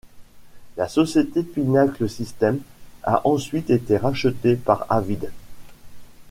La société Pinnacle Systems a ensuite été rachetée par Avid.